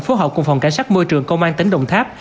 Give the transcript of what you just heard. phối hợp cùng phòng cảnh sát môi trường công an tỉnh đồng tháp